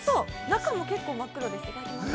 中も結構真っ黒です。